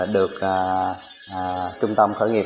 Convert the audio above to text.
được trung tâm khởi nghiệp